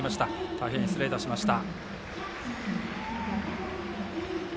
大変失礼いたしました。